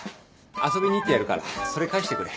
遊びに行ってやるからそれ返してくれ。